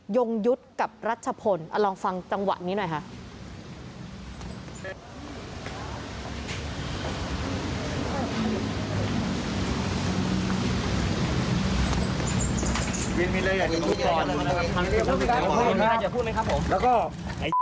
ยงยุทธ์กับรัชพลลองฟังจังหวะนี้หน่อยค่ะ